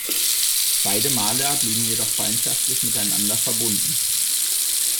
Beide Maler blieben jedoch freundschaftlich miteinander verbunden.